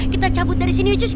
kita cabut dari sini ujus